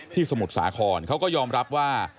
สมุทรสาครเขาก็ยอมรับว่า